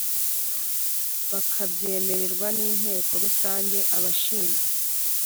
bakabyemererwa n Inteko Rusange Abashinze